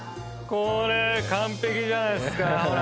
これ完璧じゃないっすか？